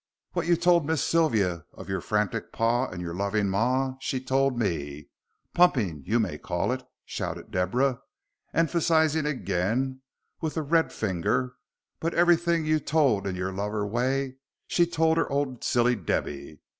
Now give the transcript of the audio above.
What you told Miss Sylvia of your frantic pa and your loving ma she told me. Pumping you may call it," shouted Deborah, emphasising again with the red finger, "but everything you told in your lover way she told her old silly Debby.